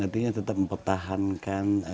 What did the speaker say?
artinya tetap mempertahankan